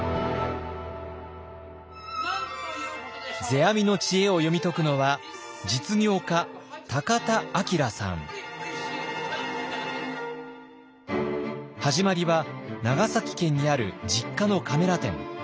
世阿弥の知恵を読み解くのは始まりは長崎県にある実家のカメラ店。